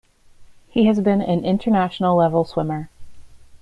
He has been a international level swimmer.